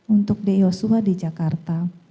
untuk dari joshua di jakarta